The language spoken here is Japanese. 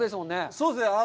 そうですね。